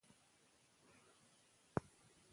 د ویلیدو په حال کې دی.